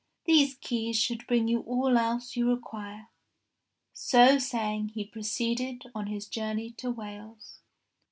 These keys should bring you all else you require." (x) saying he proceeded on his journey to Wales.